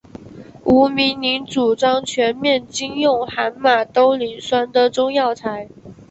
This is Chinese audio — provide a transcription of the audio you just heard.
吴明铃主张全面禁用含马兜铃酸的中药材。